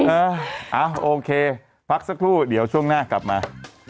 เออโอเคพักสักครู่เดี๋ยวช่วงหน้ากลับมา